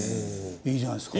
いいじゃないですか。